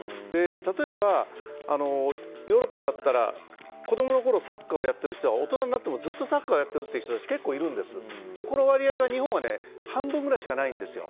例えば、ヨーロッパだったら子供のころサッカーをやっている人は大人になってもずっとサッカーをやっているという人たち結構いて、この割合が日本が半分ぐらいしかないんですよ。